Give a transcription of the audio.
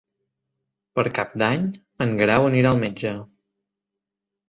Per Cap d'Any en Guerau anirà al metge.